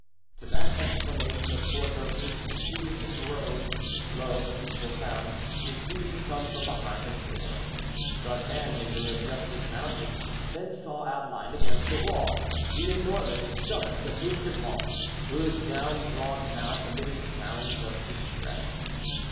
To that exclamation of Porthos's succeeded a groaning, low and profound, which seemed to come from behind a door. D'Artagnan, who had just dismounted, then saw, outlined against the wall, the enormous stomach of Mousqueton, whose down drawn mouth emitted sounds of distress.